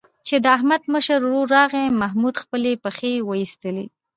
چې د احمد مشر ورور راغی، محمود خپلې پښې وایستلې.